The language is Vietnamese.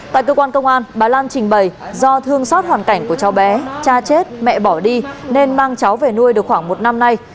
tại cơ quan công an bà lan trình bày do thương xót hoàn cảnh của cháu bé cha chết mẹ bỏ đi nên mang cháu về nuôi được khoảng một năm nay